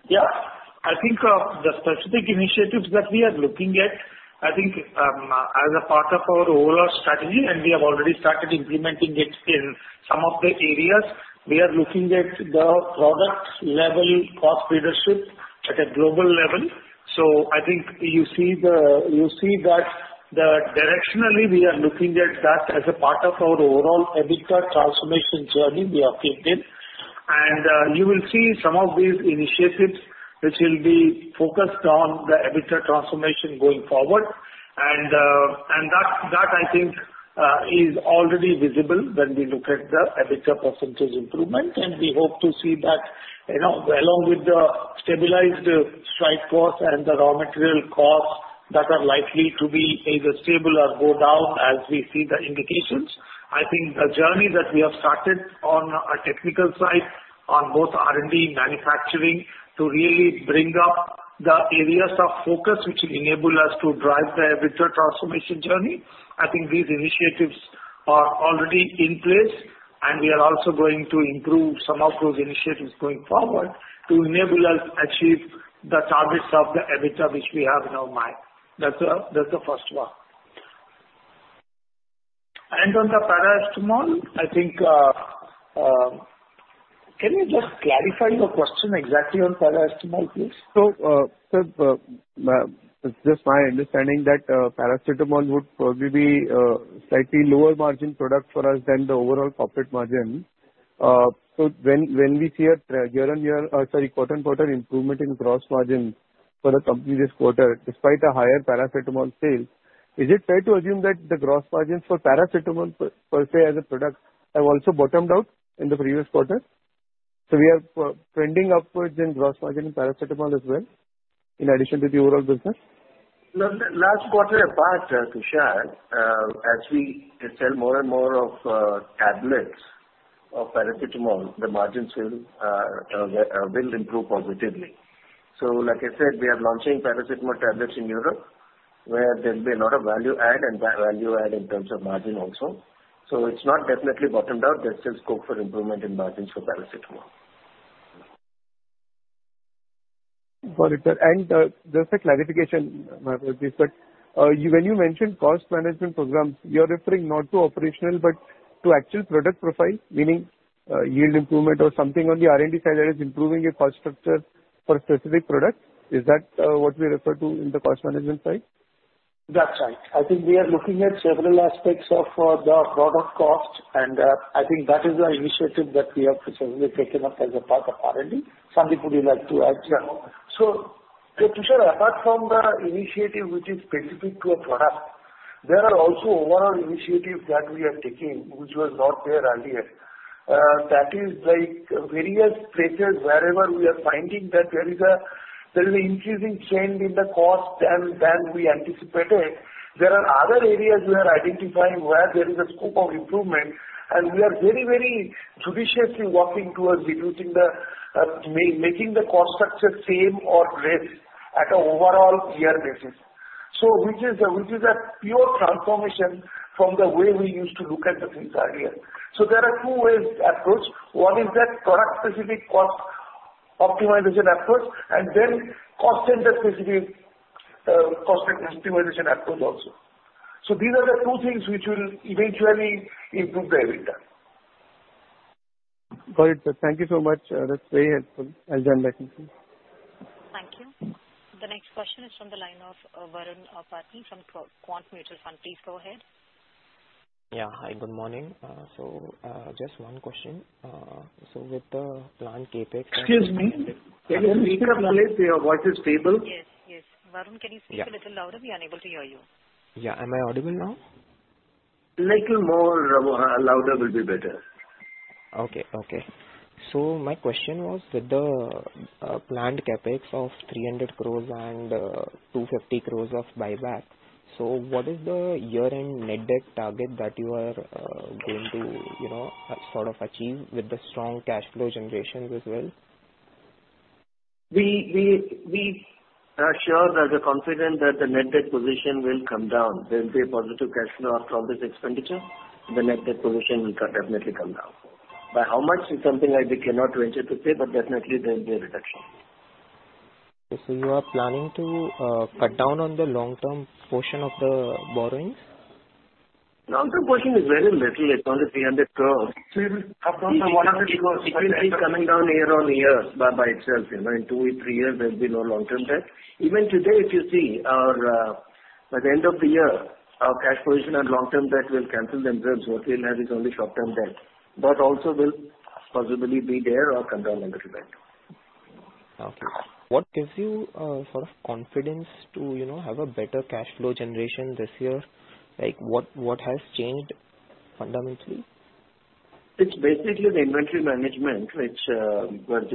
[SPEAKER 4] Yeah. I think the specific initiatives that we are looking at, I think, as a part of our overall strategy, and we have already started implementing it in some of the areas, we are looking at the product level cost leadership at a global level. I think you see that directionally we are looking at that as a part of our overall EBITDA transformation journey we have taken. You will see some of these initiatives which will be focused on the EBITDA transformation going forward. That I think is already visible when we look at the EBITDA percentage improvement. We hope to see that, you know, along with the stabilized spike cost and the raw material costs that are likely to be either stable or go down as we see the indications. I think the journey that we have started on a technical side on both R&D and manufacturing to really bring up the areas of focus which will enable us to drive the EBITDA transformation journey. I think these initiatives are already in place and we are also going to improve some of those initiatives going forward to enable us achieve the targets of the EBITDA which we have in our mind. That's the first one. On the paracetamol, I think, can you just clarify your question exactly on paracetamol, please?
[SPEAKER 15] It's just my understanding that paracetamol would probably be slightly lower margin product for us than the overall corporate margin. When we see a quarter-on-quarter improvement in gross margin for the company this quarter despite a higher paracetamol sale, is it fair to assume that the gross margins for paracetamol per se as a product have also bottomed out in the previous quarter? We are trending upwards in gross margin in paracetamol as well in addition to the overall business.
[SPEAKER 4] Last quarter apart, Tushar, as we sell more and more of tablets of paracetamol, the margins will improve positively. Like I said, we are launching paracetamol tablets in Europe, where there'll be a lot of value add in terms of margin also. It's not definitely bottomed out. There's still scope for improvement in margins for paracetamol.
[SPEAKER 15] Got it, sir. Just a clarification, but when you mentioned cost management programs, you're referring not to operational, but to actual product profile meaning yield improvement or something on the R&D side that is improving your cost structure for a specific product. Is that what we refer to in the cost management side?
[SPEAKER 4] That's right. I think we are looking at several aspects of the product cost, and I think that is the initiative that we have certainly taken up as a part of R&D. Sandip, would you like to add?
[SPEAKER 5] Yeah. Tushar, apart from the initiative which is specific to a product, there are also overall initiatives that we are taking which was not there earlier. That is like various pressures wherever we are finding that there is an increasing change in the cost than we anticipated. There are other areas we are identifying where there is a scope of improvement and we are very judiciously working towards reducing the making the cost structure same or less at an overall year basis. Which is a pure transformation from the way we used to look at the things earlier. There are two ways approach. One is that product specific cost optimization efforts and then cost center specific cost center optimization approach also. These are the two things which will eventually improve the EBITDA.
[SPEAKER 15] Got it, sir. Thank you so much. That's very helpful. I'll join back in, please.
[SPEAKER 1] Thank you. The next question is from the line of, Varun Pattani from Quant Mutual Fund. Please go ahead.
[SPEAKER 16] Yeah. Hi, good morning. Just one question. With the planned CapEx.
[SPEAKER 4] Excuse me. Can you speak up, please? Your voice is feeble.
[SPEAKER 1] Yes. Yes. Varun, can you speak a little louder? We're unable to hear you.
[SPEAKER 16] Yeah. Am I audible now?
[SPEAKER 4] Little more, louder will be better.
[SPEAKER 16] My question was with the planned CapEx of 300 crores and 250 crores of buyback. What is the year-end net debt target that you are going to, you know, sort of achieve with the strong cash flow generations as well?
[SPEAKER 4] We are sure that we are confident that the net debt position will come down. There will be a positive cash flow after all this expenditure. The net debt position will definitely come down. By how much is something that we cannot venture to say, but definitely there will be a reduction.
[SPEAKER 16] Okay. You are planning to cut down on the long-term portion of the borrowings?
[SPEAKER 4] Long-term portion is very little. It's only 300 crores.
[SPEAKER 5] Up to INR 100 crores.
[SPEAKER 4] It will keep coming down year-on-year by itself. You know, in two, three years there will be no long-term debt. Even today if you see our by the end of the year, our cash position on long-term debt will cancel themselves. What we'll have is only short-term debt. That also will possibly be there or come down a little bit.
[SPEAKER 16] Okay. What gives you sort of confidence to, you know, have a better cash flow generation this year? Like, what has changed fundamentally?
[SPEAKER 3] It's basically the inventory management which went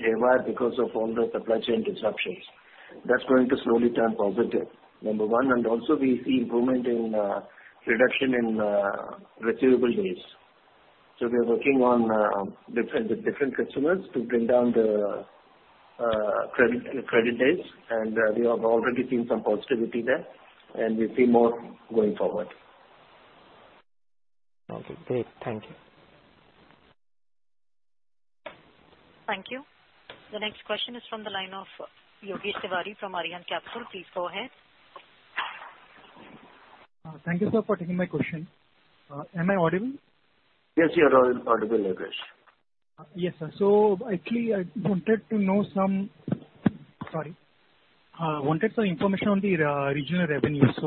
[SPEAKER 3] haywire because of all the supply chain disruptions. That's going to slowly turn positive, number one. We also see improvement in reduction in receivable days. We are working with different customers to bring down the credit days, and we have already seen some positivity there, and we see more going forward.
[SPEAKER 16] Okay, great. Thank you.
[SPEAKER 1] Thank you. The next question is from the line of Yogesh Tiwari from Arihant Capital. Please go ahead.
[SPEAKER 7] Thank you, sir, for taking my question. Am I audible?
[SPEAKER 3] Yes, you are audible, Yogesh.
[SPEAKER 7] Yes, sir. Actually I wanted to know some information on the regional revenues.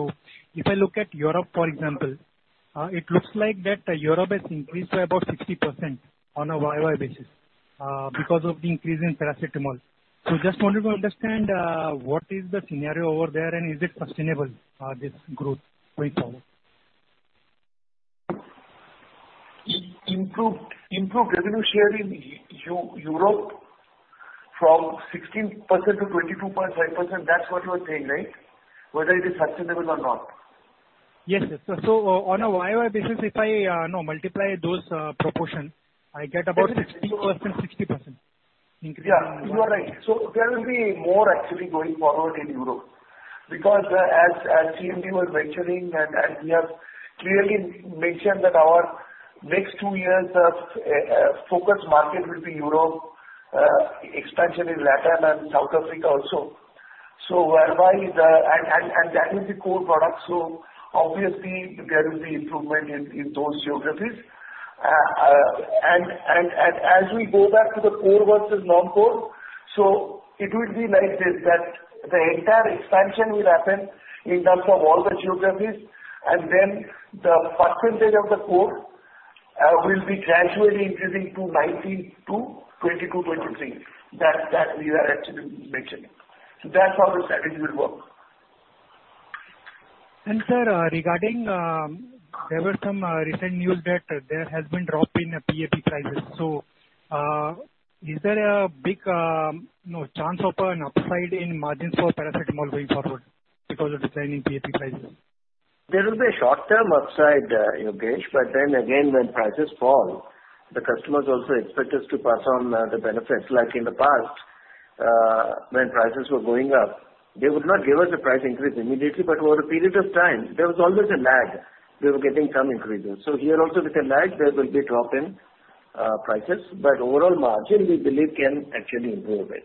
[SPEAKER 7] If I look at Europe, for example, it looks like that Europe has increased by about 60% on a Y-o-Y basis because of the increase in paracetamol. Just wanted to understand what is the scenario over there and is it sustainable, this growth going forward?
[SPEAKER 3] Improved revenue share in Europe from 16% to 22.5%, that's what you're saying, right? Whether it is sustainable or not.
[SPEAKER 7] Yes, yes. On a Y-o-Y basis, if I multiply those proportions, I get about 60% increase in
[SPEAKER 3] Yeah, you are right. There will be more actually going forward in Europe because, as CMD was mentioning, and we have clearly mentioned that our next two years of focus market will be Europe, expansion in Latin America and South Africa also. That is the core product, so obviously there will be improvement in those geographies. As we go back to the core versus non-core, it will be like this, that the entire expansion will happen in terms of all the geographies, and then the percentage of the core will be gradually increasing to 19%-22%, 23%. That we are actually mentioning. That's how the strategy will work.
[SPEAKER 7] Sir, regarding, there were some recent news that there has been drop in PAP prices. Is there a big, you know, chance of an upside in margins for paracetamol going forward because of declining PAP prices?
[SPEAKER 3] There will be a short-term upside, Yogesh. When prices fall, the customers also expect us to pass on the benefits. Like in the past, when prices were going up, they would not give us a price increase immediately, but over a period of time, there was always a lag. We were getting some increases. Here also with a lag, there will be a drop in prices. Overall margin we believe can actually improve it.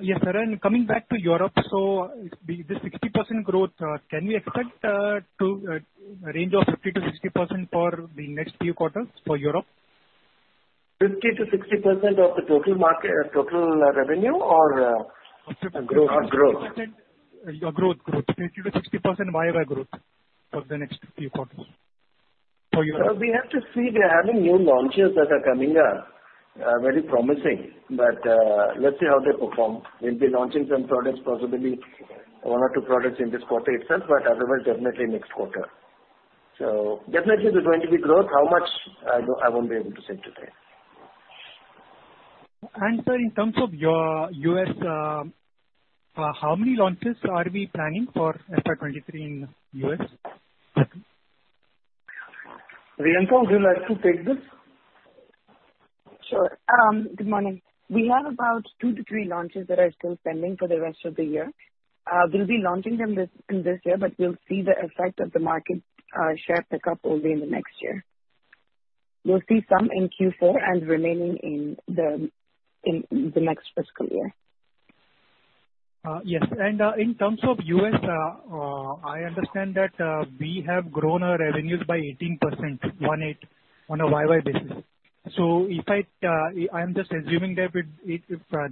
[SPEAKER 7] Yes, sir. Coming back to Europe, so this 60% growth, can we expect to a range of 50%-60% for the next few quarters for Europe?
[SPEAKER 3] 50%-60% of the total market, total revenue or?
[SPEAKER 7] Growth.
[SPEAKER 3] Growth.
[SPEAKER 7] Expected 50%-60% Y-o-Y growth for the next few quarters for Europe.
[SPEAKER 3] We have to see. We are having new launches that are coming up, very promising, but let's see how they perform. We'll be launching some products, possibly one or two products in this quarter itself, but otherwise definitely next quarter. Definitely there's going to be growth. How much, I won't be able to say today.
[SPEAKER 7] Sir, in terms of your U.S., how many launches are we planning for FY 2023 in U.S.?
[SPEAKER 3] Priyanka, would you like to take this?
[SPEAKER 17] Sure. Good morning. We have about two to three launches that are still pending for the rest of the year. We'll be launching them this year, but we'll see the effect of the market share pickup only in the next year. You'll see some in Q4 and remaining in the next fiscal year.
[SPEAKER 7] Yes. In terms of U.S., I understand that we have grown our revenues by 18% on a Y-o-Y basis. If I am just assuming that with if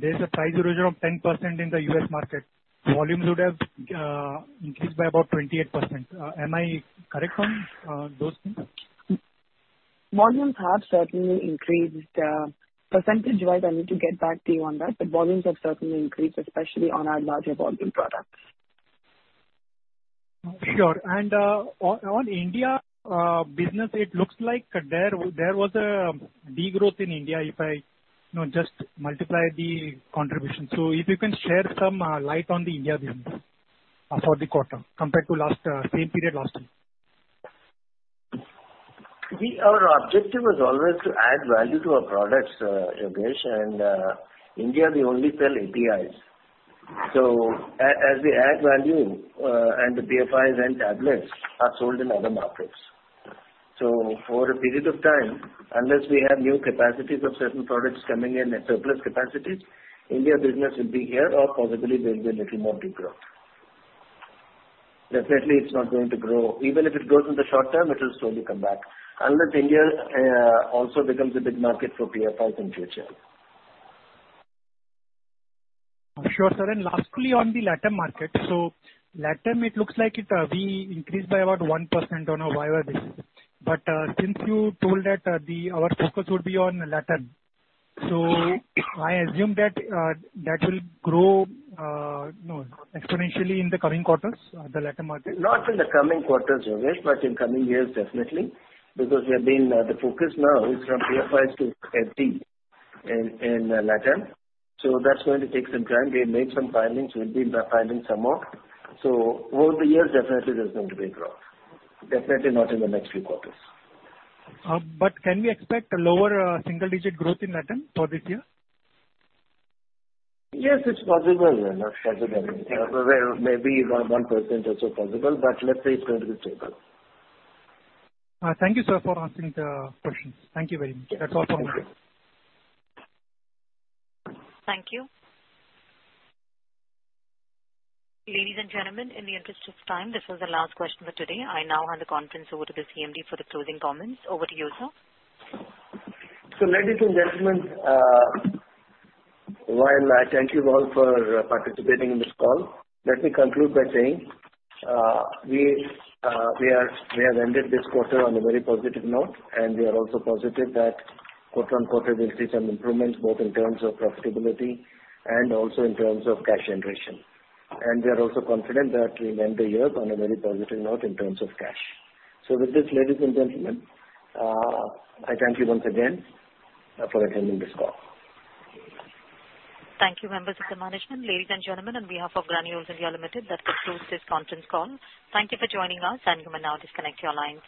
[SPEAKER 7] there's a price erosion of 10% in the U.S. market, volumes would have increased by about 28%. Am I correct on those things?
[SPEAKER 17] Volumes have certainly increased. Percentage-wise, I need to get back to you on that. Volumes have certainly increased, especially on our larger volume products.
[SPEAKER 7] Sure. On India business, it looks like there was a degrowth in India, if I you know just multiply the contribution. If you can share some light on the India business for the quarter compared to last same period last year.
[SPEAKER 3] Our objective was always to add value to our products, Yogesh. In India we only sell APIs. As we add value, and the PFIs and tablets are sold in other markets. For a period of time, unless we have new capacities of certain products coming in at surplus capacities, India business will be flat or possibly there'll be a little more degrowth. Definitely it's not going to grow. Even if it grows in the short term, it will slowly come back, unless India also becomes a big market for PFIs in future.
[SPEAKER 7] Sure, sir. Lastly on the LATAM market. LATAM, it looks like it, we increased by about 1% on a Y-o-Y basis. Since you told that the our focus would be on LATAM, I assume that that will grow, you know, exponentially in the coming quarters, the LATAM market.
[SPEAKER 3] Not in the coming quarters, Yogesh, but in coming years definitely because we have been the focus now is from PFIs to FD in LATAM, so that's going to take some time. We have made some filings. We've been filing some more. Over the years, definitely there's going to be growth. Definitely not in the next few quarters.
[SPEAKER 7] Can we expect lower single-digit growth in LATAM for this year?
[SPEAKER 3] Yes, it's possible. Well, maybe 1% or so possible, but let's say it's going to be stable.
[SPEAKER 7] Thank you sir for answering the questions. Thank you very much. That's all from me.
[SPEAKER 1] Thank you. Ladies and gentlemen, in the interest of time, this was the last question for today. I now hand the conference over to the CMD for the closing comments. Over to you, sir.
[SPEAKER 3] Ladies and gentlemen, while I thank you all for participating in this call, let me conclude by saying, we have ended this quarter on a very positive note, and we are also positive that quarter-over-quarter we'll see some improvements, both in terms of profitability and also in terms of cash generation. We are also confident that we'll end the year on a very positive note in terms of cash. With this, ladies and gentlemen, I thank you once again for attending this call.
[SPEAKER 1] Thank you, members of the management. Ladies and gentlemen, on behalf of Granules India Limited, that concludes this conference call. Thank you for joining us and you may now disconnect your lines.